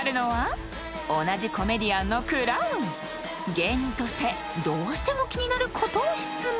［芸人としてどうしても気になることを質問］